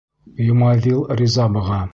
Йомаҙил риза быға.